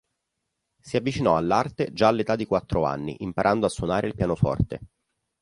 Si avvicinò all'arte già all'età di quattro anni imparando a suonare il pianoforte.